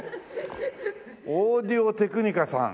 オーディオテクニカさん。